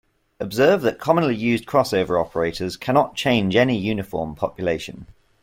Observe that commonly used crossover operators cannot change any uniform population.